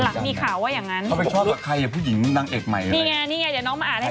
พวกนี้ชอบกับใครพวกนี้หนังเอกใหม่เลย